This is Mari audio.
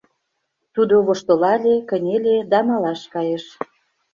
Тудо воштылале, кынеле да малаш кайыш.